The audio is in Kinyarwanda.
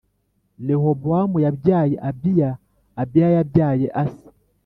Rehobowamu yabyaye Abiya, Abiya yabyaye Asa,